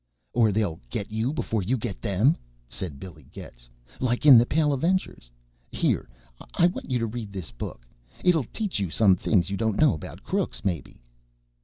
"Or they'll get you before you get them," said Billy Getz. "Like in 'The Pale Avengers.' Here, I want you to read this book. It'll teach you some things you don't know about crooks, maybe."